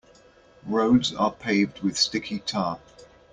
Roads are paved with sticky tar.